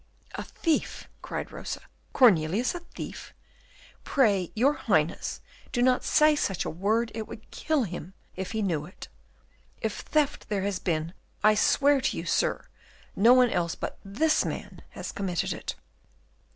"A thief!" cried Rosa. "Cornelius a thief? Pray, your Highness, do not say such a word, it would kill him, if he knew it. If theft there has been, I swear to you, Sir, no one else but this man has committed it."